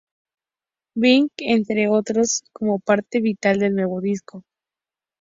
Big entre otros, como parte vital del nuevo disco.